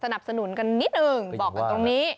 สนับสนุนกันนิดหนึ่งบอกกันตรงนี้